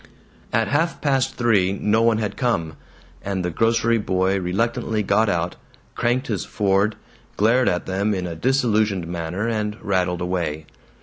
At half past three no one had come, and the grocery boy reluctantly got out, cranked his Ford, glared at them in a disillusioned manner, and rattled away.